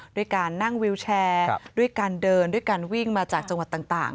ด้วยการนั่งวิวแชร์ด้วยการเดินด้วยการวิ่งมาจากจังหวัดต่าง